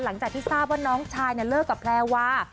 หลังจากที่ทราบว่าน้องชายเลิกกับแพรวา